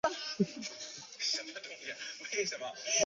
随后该党将党名改为乌克兰绿党。